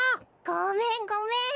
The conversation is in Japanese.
ごめんごめん。